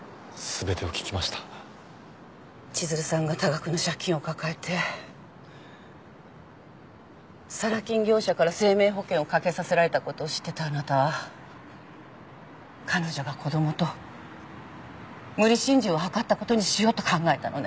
千鶴さんが多額の借金を抱えてサラ金業者から生命保険を掛けさせられたことを知ってたあなたは彼女が子供と無理心中を図ったことにしようと考えたのね？